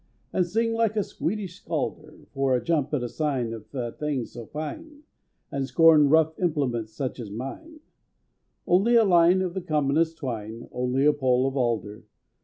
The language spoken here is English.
And sing like a Swedish scalder For a jump at a sign of a thing so fine, And scorn rough implements such as mine; Only a line of the commonest twine— Only a pole of alder!